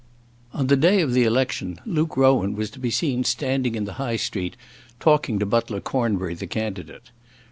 On the day of the election Luke Rowan was to be seen standing in the High Street talking to Butler Cornbury the candidate.